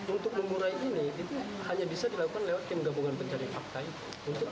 untuk mengurai ini itu hanya bisa dilakukan lewat tim gabungan pencari fakta itu